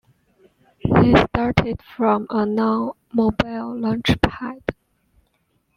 They started from a non-mobile launch pad.